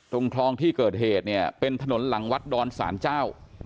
ตรงคลองที่เกิดเหตุเนี่ยเป็นถนนหลังวัดดรสาห์แจ้ว